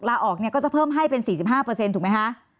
ลาออกเนี่ยก็จะเพิ่มให้เป็น๔๕ถูกไหมคะ